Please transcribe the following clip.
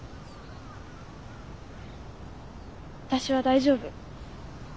私は大丈夫。